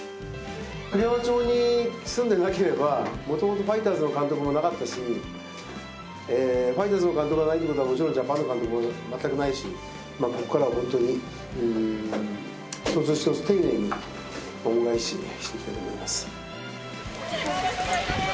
栗山町に住んでなければ、もともとファイターズの監督もなかったし、ファイターズの監督がないってことはもちろんジャパンの監督も全くないし、ここからは本当に、一つ一つ、丁寧に恩返ししていきたありがとうございました。